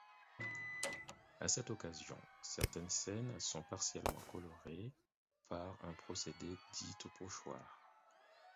À cette occasion, certaines scènes sont partiellement coloriées par un procédé dit au pochoir.